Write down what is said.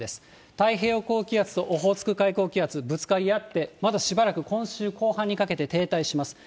太平洋高気圧とオホーツク海高気圧ぶつかり合って、まだしばらく、今週後半にかけて停滞します。